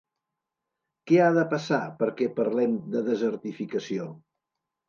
Què ha de passar perquè parlem de desertificació?